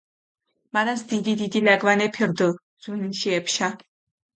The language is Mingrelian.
მარანს დიდი-დიდი ლაგვანეფი რდჷ ღვინიში ეფშა.